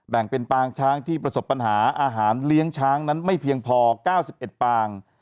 แบ่งเป็นปางช้างที่ประสบปัญหาอาหารเลี้ยงช้างนั้นไม่เพียงพอ๙๑ปาง